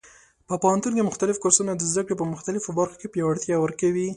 په پوهنتون کې مختلف کورسونه د زده کړې په مختلفو برخو کې پیاوړتیا ورکوي.